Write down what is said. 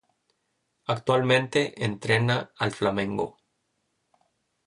Actualmente, entrena al Flamengo.